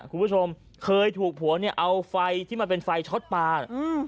คุณผู้ชมเคยถูกผัวเนี่ยเอาไฟที่มันเป็นไฟช็อตปลาน่ะอืม